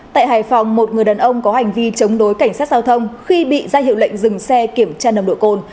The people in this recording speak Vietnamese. tại hải phòng một người đàn ông có hành vi chống đối cảnh sát giao thông khi bị ra hiệu lệnh dừng xe kiểm tra nồng độ cồn